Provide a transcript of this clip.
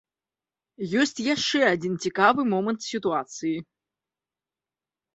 Ёсць яшчэ адзін цікавы момант сітуацыі.